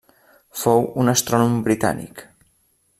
Fou un astrònom britànic.